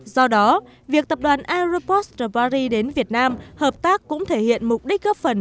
do đó việc tập đoàn aropost paris đến việt nam hợp tác cũng thể hiện mục đích góp phần